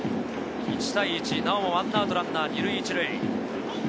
１対１、なおも１アウトランナー２塁１塁。